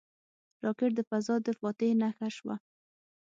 راکټ د فضا د فاتح نښه شوه